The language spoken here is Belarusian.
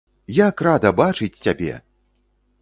Як рада бачыць цябе!